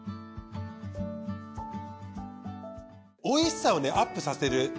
おいしさをねアップさせる